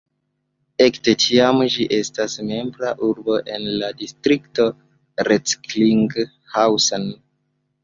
Ekde tiam ĝi estas membra urbo en la distrikto Recklinghausen.